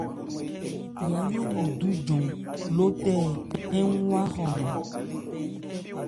Yajó wu dújɔn lótɛɛ ń wa hrɔman.